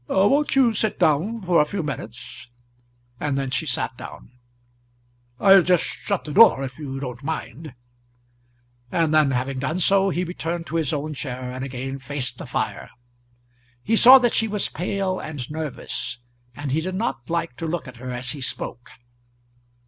"Won't you sit down for a few minutes?" and then she sat down. "I'll just shut the door, if you don't mind." And then, having done so, he returned to his own chair and again faced the fire. He saw that she was pale and nervous, and he did not like to look at her as he spoke.